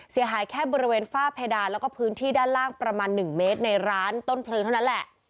เสียหายแค่บริเวณฝ้าเพดานแล้วก็พื้นที่ด้านล่างประมาณ๑เมตรในร้านต้นเพลิงเท่านั้นแหละ